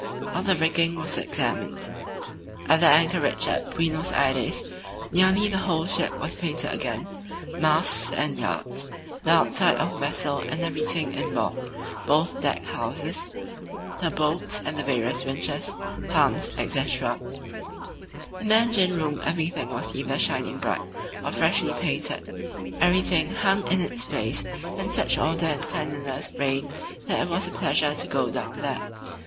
All the rigging was examined. At the anchorage at Buenos Aires nearly the whole ship was painted again, masts and yards, the outside of the vessel and everything inboard, both deck houses, the boats and the various winches, pumps, etc. In the engine room everything was either shining bright or freshly painted, everything hung in its place and such order and cleanliness reigned that it was a pleasure to go down there.